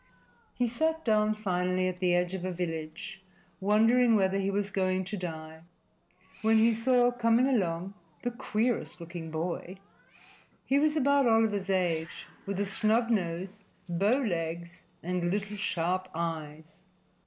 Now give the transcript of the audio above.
He sat down finally at the edge of a village, wondering whether he was going to die, when he saw coming along the queerest looking boy. He was about Oliver's age, with a snub nose, bow legs and little sharp eyes.